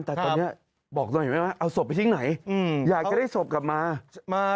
แต่ตอนนี้บอกหน่อยไหมว่าเอาศพไปทิ้งไหนอืมอยากจะได้ศพกลับมามา